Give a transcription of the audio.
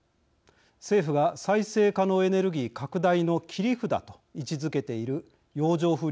政府が再生可能エネルギー拡大の切り札と位置づけている洋上風力発電。